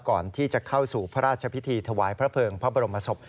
ก่อนที่จะเข้าสู่พระราชพิธีถวายพระเภิงพระบรมศพ